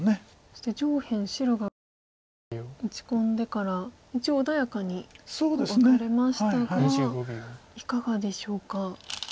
そして上辺白が打ち込んでから一応穏やかにワカれましたがいかがでしょうか？